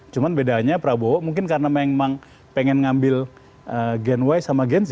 cuma bedanya prabowo mungkin karena memang pengen ngambil gen y sama gen z